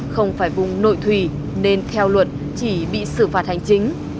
không phải vùng nội thủy nên theo luật chỉ bị xử phạt hành chính